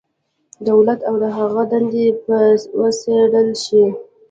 دولت او د هغه دندې به وڅېړل شي.